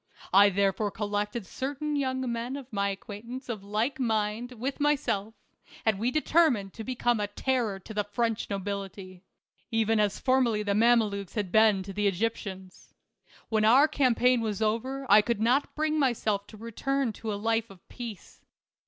I therefore collected certain young men of my acquaintance of like mind with my self, and we determined to become a terror to the French nobility, even as formerly the Mama lukes had been to the Egyptians. When our campaign was over I could not bring myself to return to a life of peace.